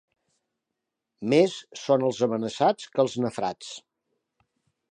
Més són els amenaçats que els nafrats.